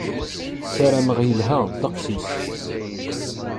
Sarameɣ yelha ddeqs-is.